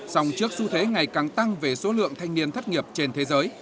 dòng trước xu thế ngày càng tăng về số lượng thanh niên thất nghiệp trên thế giới